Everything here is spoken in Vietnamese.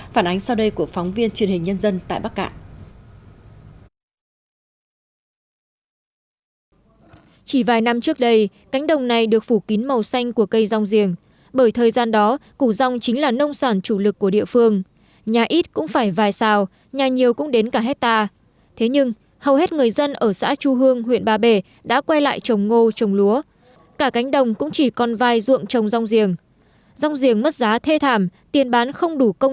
phản ánh sau đây của phóng viên truyền hình nhân dân tại bắc cạn